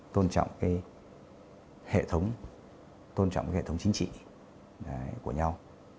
tôn trọng cái hệ thống tôn trọng cái hệ thống chính trị của nhau